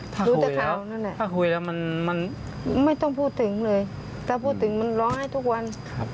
ถ้าคุยแล้วมันไม่ต้องพูดถึงเลยถ้าพูดถึงมันร้องให้ทุกวัน